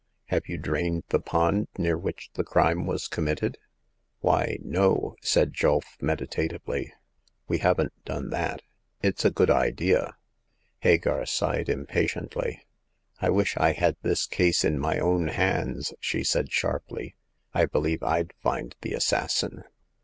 Have you drained the pond near which the crime was committed ?"Why, no," said Julf, meditatively ;" we haven't done that. It's a good idea !" Hagar sighed impatiently. I wish I had this The Eighth Customer. 211 case in my own hands !" she said, sharply ;I believe Yd find the assassin."